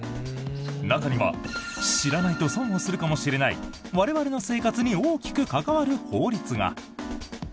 中には、知らないと損をするかもしれない我々の生活に大きく関わる法律が。